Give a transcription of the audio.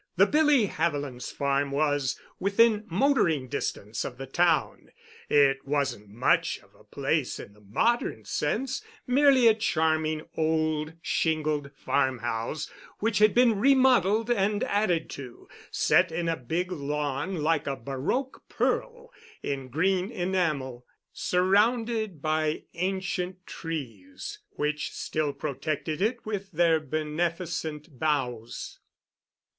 The Billy Havilands' farm was within motoring distance of the town. It wasn't much of a place in the modern sense, merely a charming old shingled farmhouse which had been remodeled and added to, set in a big lawn like a baroque pearl in green enamel, surrounded by ancient trees which still protected it with their beneficent boughs.